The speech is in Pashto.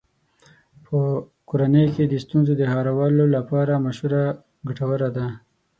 په کورنۍ کې د ستونزو هوارولو لپاره مشوره ګټوره ده.